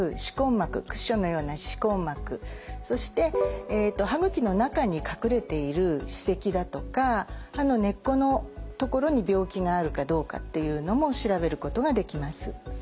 膜クッションのような歯根膜そして歯ぐきの中に隠れている歯石だとか歯の根っこのところに病気があるかどうかっていうのも調べることができます。